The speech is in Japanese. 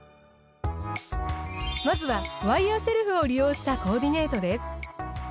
まずはワイヤーシェルフを利用したコーディネートです。